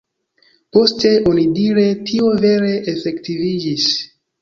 Poste onidire tio vere efektiviĝis.